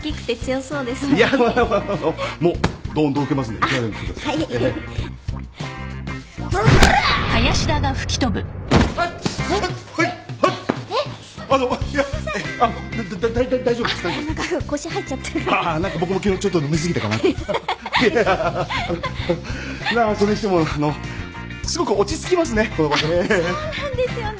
そうなんですよね。